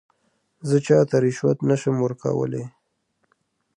زه چاته رشوت نه شم ورکولای.